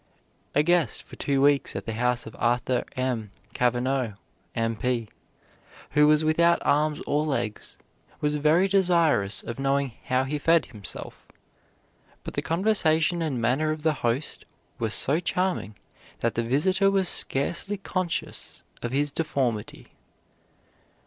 A guest for two weeks at the house of Arthur M. Cavanaugh, M. P., who was without arms or legs, was very desirous of knowing how he fed himself; but the conversation and manner of the host were so charming that the visitor was scarcely conscious of his deformity.